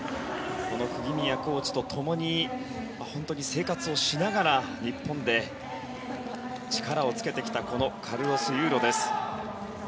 この釘宮コーチとともに本当に生活をしながら日本で力をつけてきたこのカルロス・ユーロです。